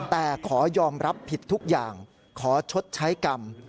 แต่ขอยอมรับผิดทุกอย่างขอชดใช้กรรม